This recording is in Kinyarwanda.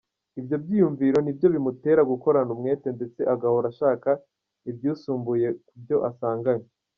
Ibyo byiyumviro nibyo bimutera gukorana umwete ndetse agahora ashaka ibyisumbuye kubyo asanganwe.